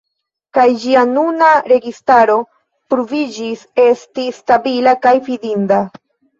Kaj ĝia nuna registaro pruviĝis esti stabila kaj fidinda.